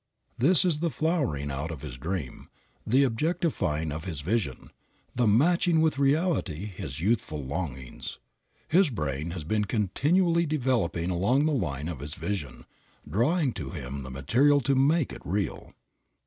This is the flowering out of his dream, the objectifying of his vision, the matching with reality his youthful longings. His brain has been continually developing along the line of his vision, drawing to him the material to make it real.